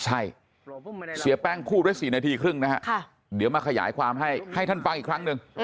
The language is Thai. ใช่เสียแป้งพูดไว้๔นาทีครึ่งนะฮะเดี๋ยวมาขยายความให้ให้ท่านฟังอีกครั้งหนึ่ง